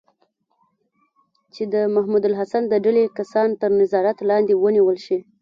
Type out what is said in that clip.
چې د محمود الحسن د ډلې کسان تر نظارت لاندې ونیول شي.